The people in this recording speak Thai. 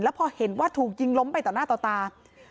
พอเห็นว่าถูกยิงล้มไปต่อหน้าต่อตา